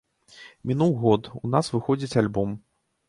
Мінуў год, у нас выходзіць альбом.